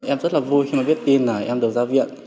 em rất là vui khi mà biết tin là em được ra viện